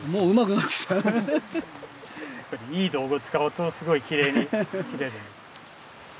やっぱりいい道具を使うとすごくきれいに切れる。